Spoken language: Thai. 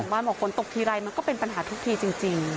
บ้านบอกฝนตกทีไรมันก็เป็นปัญหาทุกทีจริง